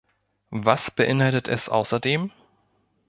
Was beinhaltet es außerdem?